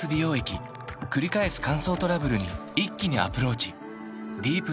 くり返す乾燥トラブルに一気にアプローチ